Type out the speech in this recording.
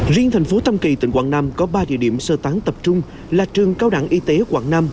riêng thành phố tâm kỳ tỉnh quảng nam có ba địa điểm sơ tán tập trung là trường cao đẳng y tế quận năm